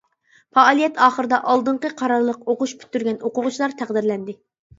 پائالىيەت ئاخىرىدا ئالدىنقى قارارلىق ئوقۇش پۈتتۈرگەن ئوقۇغۇچىلار تەقدىرلەندى.